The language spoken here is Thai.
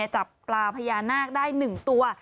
จับปลาพญานาคได้หนึ่งตัว